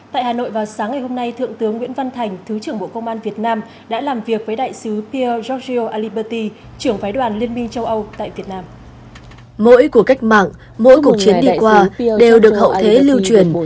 tại hà nội vào sáng ngày hôm nay thượng tướng nguyễn văn thành thứ trưởng bộ công an việt nam đã làm việc với đại sứ pierre giorgio aliberti trưởng phái đoàn liên minh châu âu tại việt nam